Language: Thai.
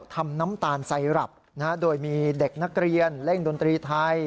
ทำน้ำตาลไซรับโดยมีเด็กนักเรียนเล่นดนตรีไทย